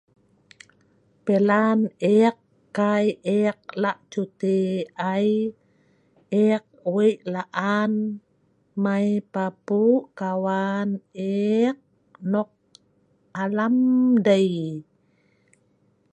Pilan ek kai ek lak cuti ai, ek wei laan mai papu kawan ek nok alam dei